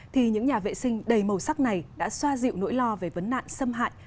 thì những nhà vệ sinh đầy màu sắc này đã xoa dịu nỗi lo về vấn nạn xâm hại